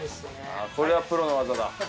これはプロの技だ。